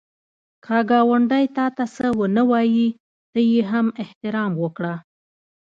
که ګاونډی تا ته څه ونه وايي، ته یې هم احترام وکړه